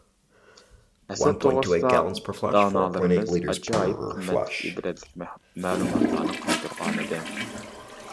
ھەسەت توغرىسىدا دانالىرىمىز ئاجايىپ قىممەتلىك، ئىبرەتلىك مەلۇماتلارنى قالدۇرغانىدى.